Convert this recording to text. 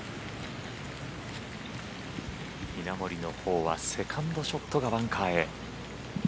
稲森のほうはセカンドショットがバンカーへ。